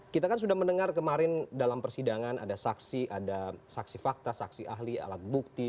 kita kan sudah mendengar kemarin dalam persidangan ada saksi ada saksi fakta saksi ahli alat bukti